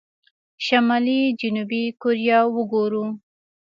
شمالي جنوبي کوريا وګورو.